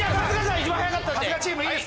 一番早かったんで。